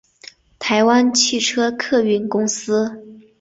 台湾汽车客运公司